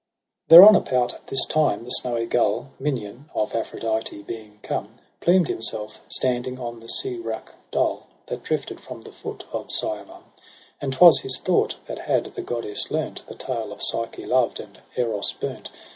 1 Thereon about this time the snowy gull. Minion of Aphrodite, being come. Plumed himself, standing on the sea wrack dull. That drifted from the foot of Cyamum ; And 'twas his thought, that had the goddess learnt The tale of Psyche loved and Eros burnt.